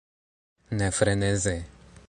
Ne freneze!